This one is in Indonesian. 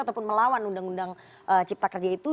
ataupun melawan undang undang cipta kerja itu